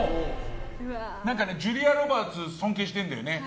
ジュリア・ロバーツを尊敬してるんだよね。